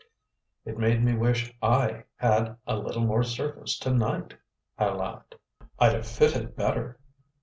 "It made me wish I had a little more surface to night," I laughed. "I'd have fitted better.